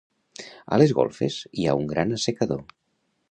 A les golfes hi ha un gran assecador.